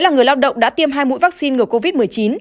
là người lao động đã tiêm hai mũi vaccine ngừa covid một mươi chín